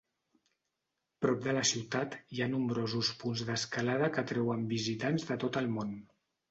Prop de la ciutat hi ha nombrosos punts d'escalada que atrauen visitants de tot el món.